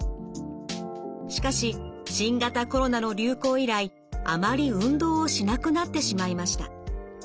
しかし新型コロナの流行以来あまり運動をしなくなってしまいました。